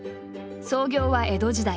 創業は江戸時代。